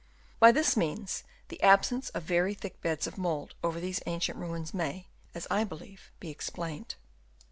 By this means, the absence of very thick beds of mould over these ancient ruins may, as I believe, be explained.